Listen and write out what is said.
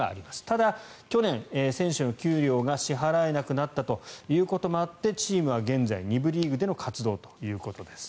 ただ、去年、選手の給料が支払えなくなったということもあってチームは現在、２部リーグでの活動ということです。